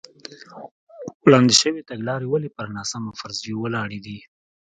وړاندې شوې تګلارې ولې پر ناسمو فرضیو ولاړې دي.